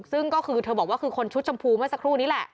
ซึ่งก็คือเธอบอกว่าคือคนชุดชมพูเมื่อสักครู่นี้แหละ